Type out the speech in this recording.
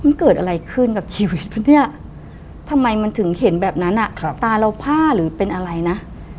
มันเกิดอะไรขึ้นกับชีวิตปะเนี่ยทำไมมันถึงเห็นแบบนั้นตาเราผ้าหรือเป็นอะไรนะ